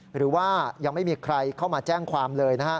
หรือว่ายังไม่มีใครเข้ามาแจ้งความเลยนะฮะ